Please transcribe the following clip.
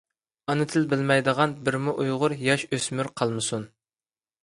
ئانا تىل بىلمەيدىغان بىرمۇ ئۇيغۇر ياش-ئۆسمۈر قالمىسۇن!